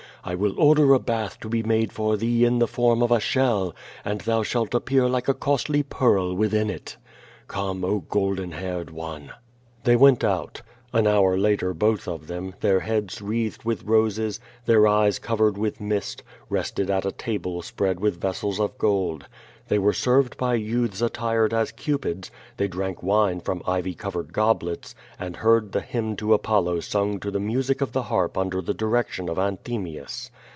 I will or der a bath to be made for thee in the form of a shell, and thou shalt appear like a costly pearl within it. Come, oh, golden haired one!" QUO VADI8, 371 The)' went out. An hour later both of them, their heads wreathed with roses, their eyes covered with mist, rested at a table spread with vessels of gold. They were served by youths attired as eupids, they drank wine from ivy covered goblets, and heard the hymn to Apollo sung to the music of the harp under the direction of Anthemius.